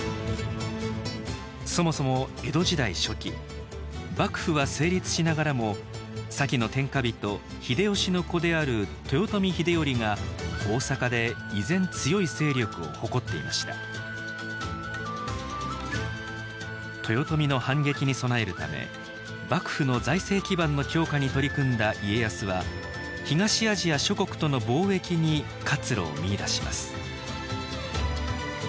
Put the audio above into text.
そもそも江戸時代初期幕府は成立しながらも先の天下人秀吉の子である豊臣秀頼が大坂で依然強い勢力を誇っていました豊臣の反撃に備えるため幕府の財政基盤の強化に取り組んだ家康は東アジア諸国との貿易に活路を見いだします